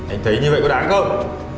anh thấy như vậy có đáng không